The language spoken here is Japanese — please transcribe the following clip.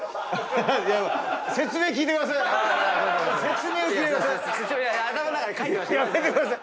説明を聞いてください。